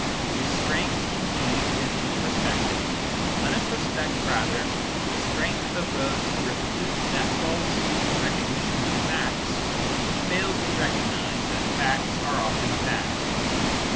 If strength indeed is to be respected, let us respect rather the strength of those who refuse that false " recognition of facts " which fails to recog nise that facts are often bad.